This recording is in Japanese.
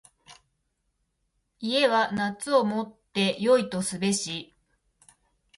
家は夏をもって旨とすべし。